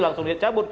langsung dia cabut